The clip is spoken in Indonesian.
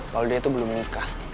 kalo dia tuh belum nikah